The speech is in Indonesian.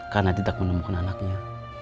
karena tidak menemukan anaknya